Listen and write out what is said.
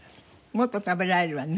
もっと食べられるわね。